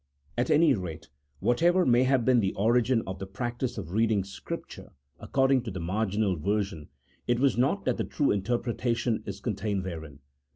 At any rate, whatever may have been the origin of the practice of reading Scripture according to the marginal version, it was not that the true interpretation is contained therein.